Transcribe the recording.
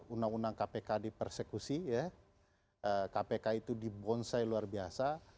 undang undang kpk dipersekusi kpk itu dibonsai luar biasa